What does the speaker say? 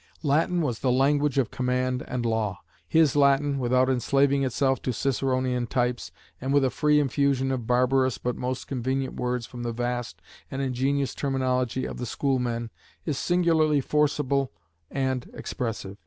Latin was the language of command and law. His Latin, without enslaving itself to Ciceronian types, and with a free infusion of barbarous but most convenient words from the vast and ingenious terminology of the schoolmen, is singularly forcible and expressive.